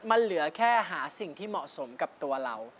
มันเหลือแค่หาสิ่งที่เหมาะสมกับตัวเรา